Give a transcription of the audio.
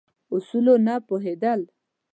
اصولو نه پوهېدل.